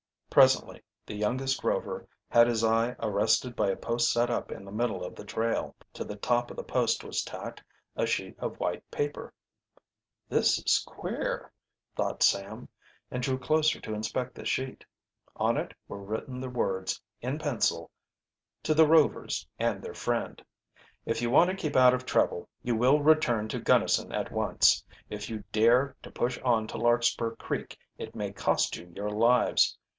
Presently the youngest Rover had his eye arrested by a post set up in the middle of the trail. To the top of the post was tacked a sheet of white paper. "This is queer," thought Sam, and drew closer to inspect the sheet. On it were written the words, in pencil: "To the Rovers and their friend: "If you want to keep out of trouble you will return to Gunnison at once. If you dare to push on to Larkspur Creek it may cost you your lives.